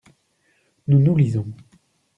Nous, nous lisons.